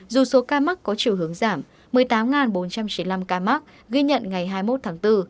dù số ca mắc có chiều hướng giảm một mươi tám bốn trăm chín mươi năm ca mắc ghi nhận ngày hai mươi một tháng bốn